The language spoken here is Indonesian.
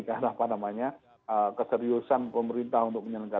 karena apa namanya keseriusan pemerintah untuk menyalurkan